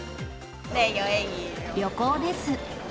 旅行です。